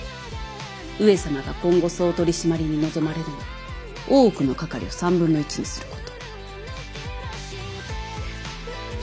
上様が今後総取締に望まれるのは大奥のかかりを３分の１にすること。